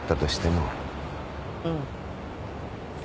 うん。